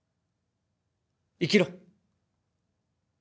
生きろ